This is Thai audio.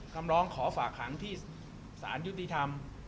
คำร้องขอฝากขังที่สารยุติธรรม